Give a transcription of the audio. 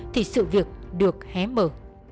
thì sự việc được hé mở